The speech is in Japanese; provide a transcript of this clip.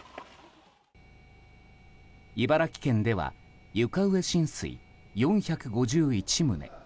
茨城県では床上浸水４５１棟